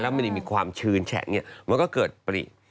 แล้วมันมีความชืนแช่งนี้มันก็เกิดปริศาสตร์